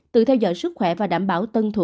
tự theo dõi sức khỏe và đảm bảo tuân thủ